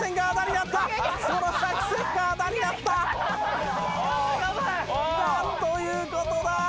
なんという事だ！